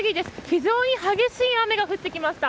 非常に激しい雨が降ってきました。